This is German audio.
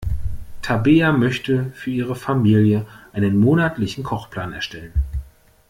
Tabea möchte für ihre Familie einen monatlichen Kochplan erstellen.